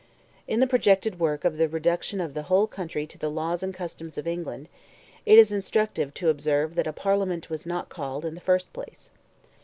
In the projected work of the reduction of the whole country to the laws and customs of England, it is instructive to observe that a Parliament was not called in the first place.